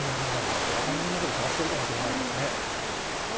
って、頭の中で探してるかもしれそうですよね。